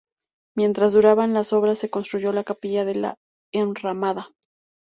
Mientras duraban las obras se construyó la Capilla de la Enramada.